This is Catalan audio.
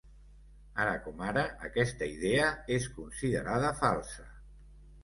Ara com ara, aquesta idea és considerada falsa.